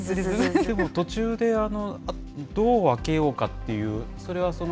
でも途中でドアを開けようかっていう、それはその。